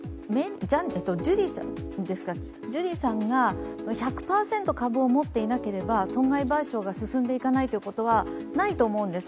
ジュリーさんが、１００％株を持っていなければ損害賠償が進んでいかないということはないと思うんです。